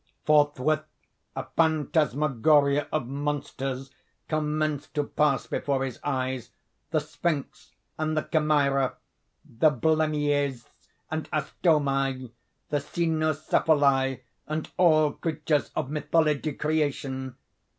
Forthwith a phantasmagoria of monsters commence to pass before his eyes: the Sphinx and the Chimera, the Blemmyes and Astomi, the Cynocephali and all creatures of mythologie creation.